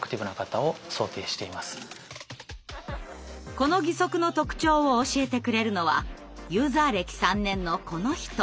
この義足の特徴を教えてくれるのはユーザー歴３年のこの人。